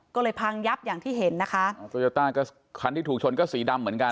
ก็เลยพังยับอย่างที่เห็นนะคะอ๋อโตโยต้าก็คันที่ถูกชนก็สีดำเหมือนกัน